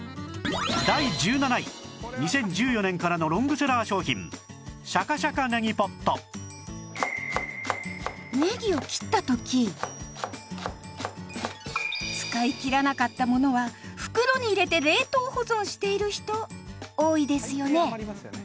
第１７位２０１４年からのロングセラー商品使い切らなかったものは袋に入れて冷凍保存している人多いですよね